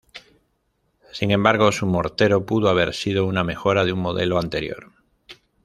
Sin embargo, su mortero pudo haber sido una mejora de un modelo anterior.